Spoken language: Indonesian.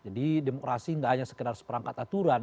jadi demokrasi gak hanya sekedar seperangkat aturan